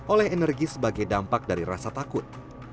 oleh energi sebagai dampak dari rasa takut